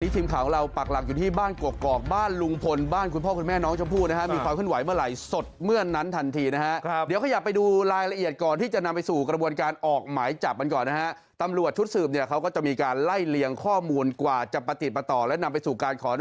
ทีมข่าวของเราปักหลักอยู่ที่บ้านกกอกบ้านลุงพลบ้านคุณพ่อคุณแม่น้องชมพู่นะฮะมีความขึ้นไหวเมื่อไหร่สดเมื่อนั้นทันทีนะฮะเดี๋ยวขยับไปดูรายละเอียดก่อนที่จะนำไปสู่กระบวนการออกหมายจับกันก่อนนะฮะตำรวจชุดสืบเนี่ยเขาก็จะมีการไล่เลียงข้อมูลกว่าจะประติดประต่อและนำไปสู่การขอ